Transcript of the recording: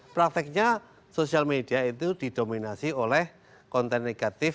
prakteknya sosial media itu didominasi oleh konten negatif